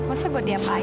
masa buat diapain